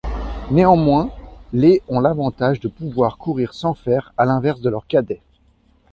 Néanmoins, les ont l'avantage de pouvoir courir sans fers, à l'inverse de leurs cadets.